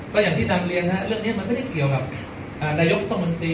ก็อย่างที่นำเรียนเรื่องนี้มันไม่ได้เกี่ยวกับนายกรัฐมนตรี